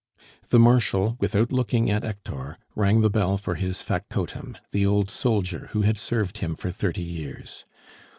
The Marshal, without looking at Hector, rang the bell for his factotum, the old soldier who had served him for thirty years.